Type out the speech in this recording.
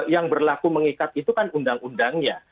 yang berlaku mengikat itu kan undang undangnya